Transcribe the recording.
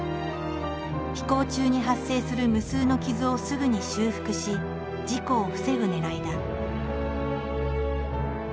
飛行中に発生する無数の傷をすぐに修復し事故を防ぐねらいだ。